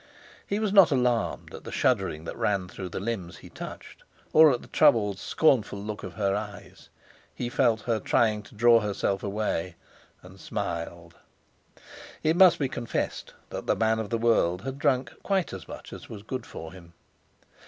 He was not alarmed at the shuddering that ran through the limbs he touched, or at the troubled, scornful look of her eyes. He felt her trying to draw herself away, and smiled. It must be confessed that the man of the world had drunk quite as much as was good for him.